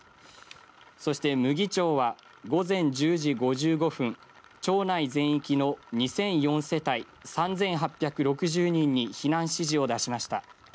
そして牟岐町は午前１０時５５分町内全域の２００４世帯３８６０人に避難指示を出しました。